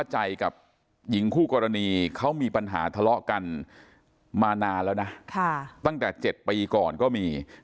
ใจกับหญิงคู่กรณีเขามีปัญหาทะเลาะกันมานานแล้วนะตั้งแต่๗ปีก่อนก็มี